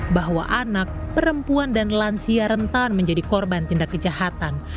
bahwa anak perempuan dan lansia rentan menjadi korban tindak kejahatan